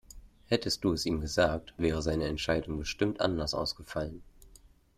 Hättest du es ihm gesagt, wäre seine Entscheidung bestimmt anders ausgefallen.